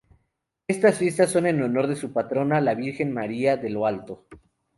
Estas fiestas son en honor de su patrona, la Virgen María de lo Alto.